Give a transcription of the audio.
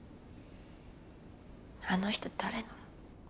あの人誰なの？